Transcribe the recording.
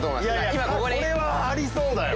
今ここにこれはありそうだよ